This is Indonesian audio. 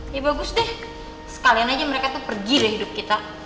ya bagus deh sekalian aja mereka tuh pergi deh hidup kita